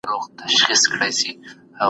د واکمن او امرمنونکي ترمنځ اړيکه جوړه سوه.